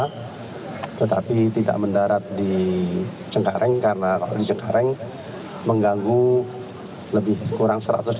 tetapi tidak mendarat di cengkareng karena kalau di cengkareng mengganggu lebih kurang satu ratus dua puluh